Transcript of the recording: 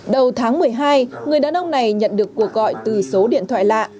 đầu tháng một mươi hai người đàn ông này nhận được cuộc gọi từ số điện thoại lạ